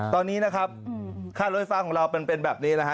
ตอนนี้นะครับค่ารถไฟฟ้าของเรามันเป็นแบบนี้นะฮะ